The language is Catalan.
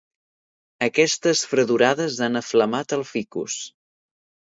Aquestes fredorades han aflamat el ficus.